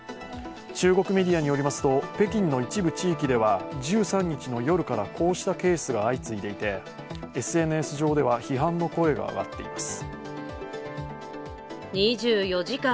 中国メディアによりますと北京の一部地域では１３日の夜からこうしたケースが相次いでいて、ＳＮＳ上では批判の声が上がっています。